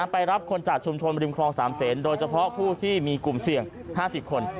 ไปรับคนจากชุมชนบริมครอง๓เซนโดยเฉพาะผู้ที่มีกลุ่มเสี่ยง๕๐คน